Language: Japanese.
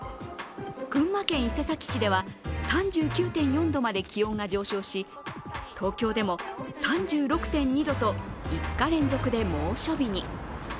群馬県伊勢崎市では３９．４度まで気温が上昇し東京でも３６．２度と５日連続で猛暑日に。